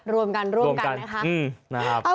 รวมกันรวมกันนะครับ